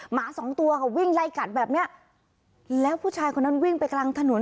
หมาสองตัวค่ะวิ่งไล่กัดแบบเนี้ยแล้วผู้ชายคนนั้นวิ่งไปกลางถนน